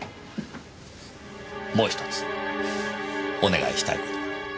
もう１つお願いしたい事が。